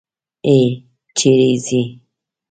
هی! چېرې ځې؟